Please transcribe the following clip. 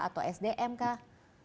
atau sdm kah